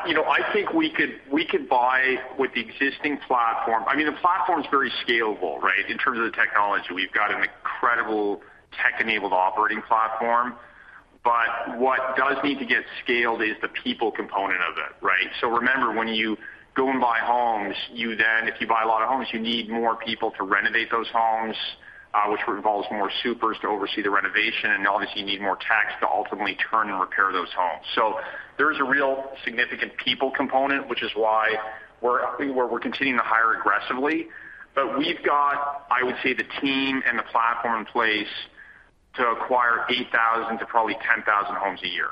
You know, I think we could buy with the existing platform. I mean, the platform's very scalable, right? In terms of the technology. We've got an incredible tech-enabled operating platform. What does need to get scaled is the people component of it, right? Remember, when you go and buy homes, you then, if you buy a lot of homes, you need more people to renovate those homes, which involves more supers to oversee the renovation, and obviously you need more techs to ultimately turn and repair those homes. There is a real significant people component, which is why we're continuing to hire aggressively. We've got, I would say, the team and the platform in place to acquire 8,000 to probably 10,000 homes a year.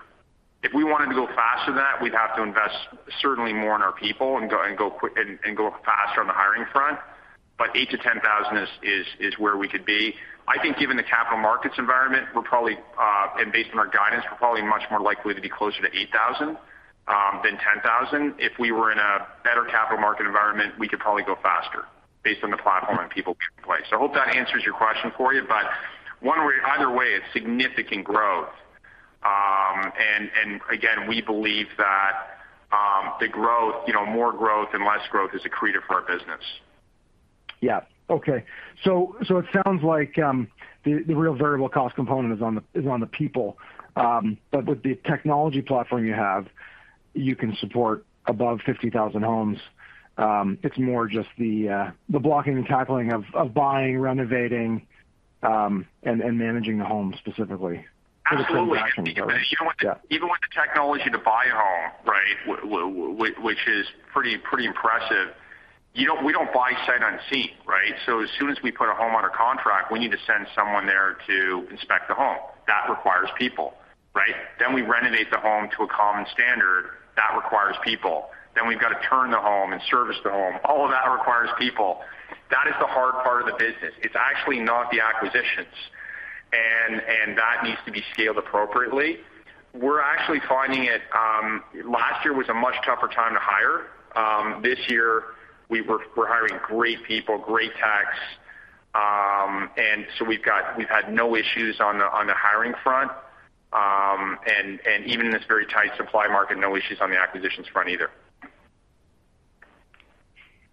If we wanted to go faster than that, we'd have to invest certainly more in our people and go quick and go faster on the hiring front. 8,000-10,000 Is where we could be. I think given the capital markets environment, we're probably and based on our guidance, we're probably much more likely to be closer to 8,000 than 10,000. If we were in a better capital market environment, we could probably go faster based on the platform and people in place. I hope that answers your question for you. One way either way, it's significant growth. And again, we believe that the growth, you know, more growth and less growth is accretive for our business. Yeah. Okay. So it sounds like the real variable cost component is on the people. With the technology platform you have, you can support above 50,000 homes. It's more just the blocking and tackling of buying, renovating, and managing the home specifically. Absolutely. For the transaction piece. Yeah. Even with the technology to buy a home, right, which is pretty impressive, we don't buy sight unseen, right? As soon as we put a home under contract, we need to send someone there to inspect the home. That requires people, right? We renovate the home to a common standard. That requires people. We've got to turn the home and service the home. All of that requires people. That is the hard part of the business. It's actually not the acquisitions. That needs to be scaled appropriately. We're actually finding it, last year was a much tougher time to hire. This year we're hiring great people, great techs, and we've had no issues on the hiring front. Even in this very tight supply market, no issues on the acquisitions front either.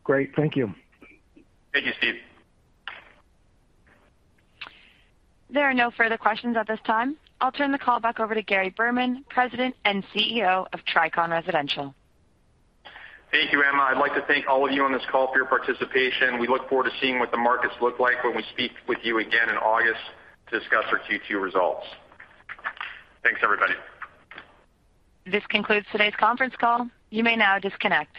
Great. Thank you. Thank you, Steve. There are no further questions at this time. I'll turn the call back over to Gary Berman, President and CEO of Tricon Residential. Thank you, Emma. I'd like to thank all of you on this call for your participation. We look forward to seeing what the markets look like when we speak with you again in August to discuss our Q2 results. Thanks, everybody. This concludes today's conference call. You may now disconnect.